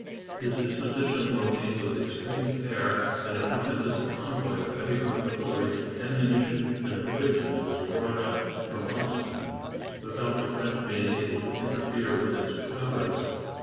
His dispositions were made with extreme care, and a tremendous convoy of heavy artillery, ammunition, and provisions was brought up from Ostend, without the French being able to interfere with its progress.